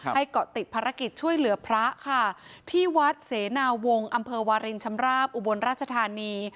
เกาะติดภารกิจช่วยเหลือพระค่ะที่วัดเสนาวงศ์อำเภอวารินชำราบอุบลราชธานี